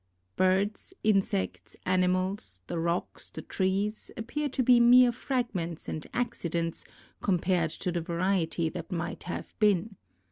Birds, insects, animals, the rocks, the trees, appear to be mere fragments and accidents, compared to the variety that might have been.